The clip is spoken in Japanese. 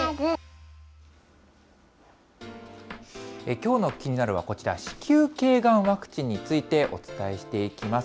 きょうのキニナル！はこちら、子宮けいがんワクチンについてお伝えしていきます。